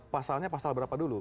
pasalnya pasal berapa dulu